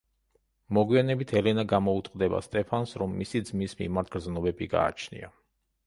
მოგვიანებით ელენა გამოუტყდება სტეფანს, რომ მისი ძმის მიმართ გრძნობები გააჩნია.